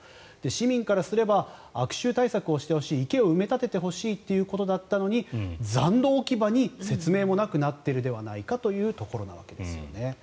市民からすれば悪臭対策をしてほしい池を埋め立ててほしいということだったのに残土置き場に説明もなくなっているではないかというところなわけです。